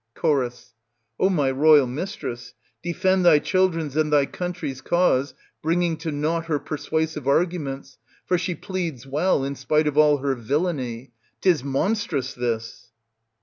Cho. O my royal mistress, defend thy children's and thy country's cause, bringing to naught her persuasive argu ments, for she pleads well in spite of all her villainy ; 'tis monstrous this